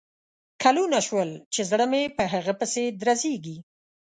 کلونه شول چې زړه مې په هغه پسې درزیږي